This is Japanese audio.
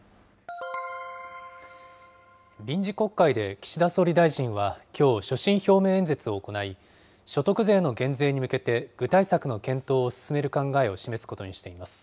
臨時国会で岸田総理大臣はきょう、所信表明演説を行い、所得税の減税に向けて、具体策の検討を進める考えを示すことにしています。